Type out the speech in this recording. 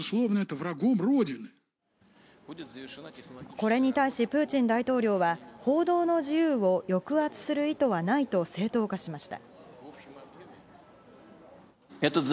これに対しプーチン大統領は、報道の自由を抑圧する意図はないと正当化しました。